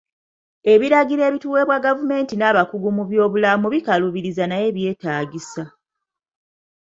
Ebiragiro ebituweebwa gavumenti n'abakugu mu byobulamu bikaluubiriza naye byetaagisa.